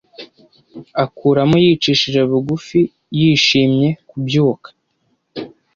akuramo yicishije bugufi yishimye kubyuka